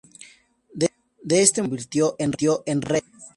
De este modo se convirtió en rey.